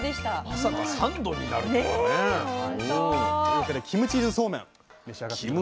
まさかサンドになるとはね。というわけでキムチーズそうめん召し上がって下さい。